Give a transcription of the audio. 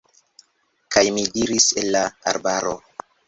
Kaj mi diris el la arbaro: